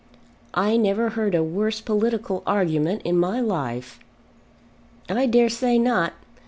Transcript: "I never heard a worse political argument in my life." "I dare say not.